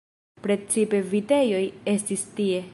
Precipe vitejoj estis tie.